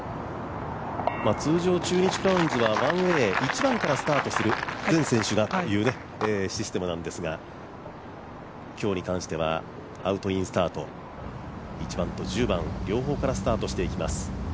通常、中日クラウンズは１番から全選手がスタートするというシステムなんですが今日に関してはアウトインスタート１番と１０番、両方からスタートしていきます。